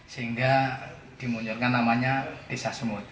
sehingga dimunculkan namanya desa semut